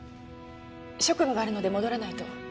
職務があるので戻らないと。